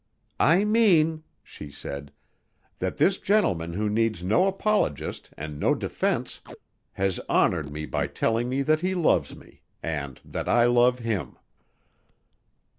"I mean," she said, "that this gentleman who needs no apologist and no defense, has honored me by telling me that he loves me and that I love him."